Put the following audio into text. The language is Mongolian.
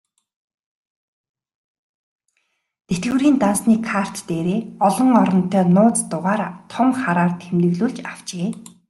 Тэтгэврийн дансны карт дээрээ олон оронтой нууц дугаараа том хараар тэмдэглүүлж авчээ.